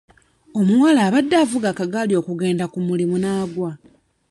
Omuwala abadde avuga akagaali okugenda ku mulimu n'agwa.